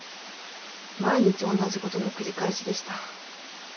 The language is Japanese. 毎日同じ事の繰り返しでした。